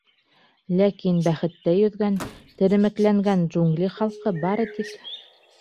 Ләкин бәхеттә йөҙгән, теремекләнгән джунгли халҡы бары тик: